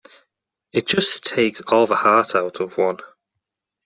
It just takes all the heart out of one.